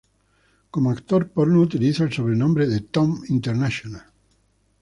Como actor porno utiliza el sobrenombre de Tom International.